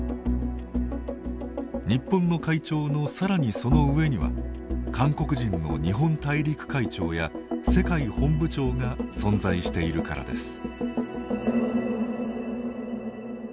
日本の会長の、さらにその上には韓国人の日本大陸会長や世界本部長が存在しているからです。